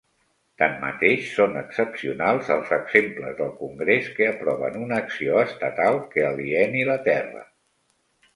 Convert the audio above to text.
Tanmateix, són excepcionals els exemples del Congrés que aproven una acció estatal que alieni la terra.